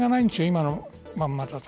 今のままだと。